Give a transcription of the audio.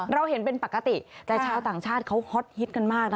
เราเห็นเป็นปกติแต่ชาวต่างชาติเขาฮอตฮิตกันมากนะ